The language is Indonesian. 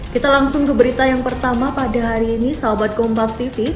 kita langsung ke berita yang pertama pada hari ini sahabat kompas tv